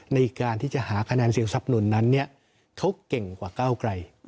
ในการที่จะหาคะแนนเสียงทรัพย์หนุนนั้นเขาเก่งกว่าก้าวไกล